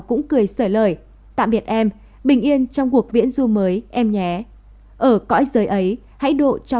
cũng cười sở lời tạm biệt em bình yên trong cuộc viễn ru mới em nhé ở cõi giới ấy hãy độ cho